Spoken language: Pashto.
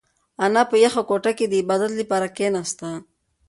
انا په یخه کوټه کې د عبادت لپاره کښېناسته.